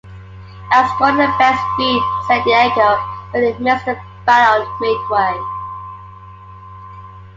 Escorting at best speed, "San Diego" barely missed the Battle of Midway.